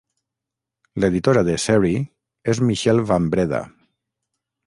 L'editora de "Sarie" és Michelle van Breda.